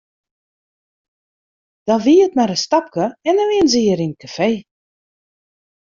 Dan wie it mar in stapke en dan wienen se hjir yn it kafee.